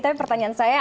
tapi pertanyaan saya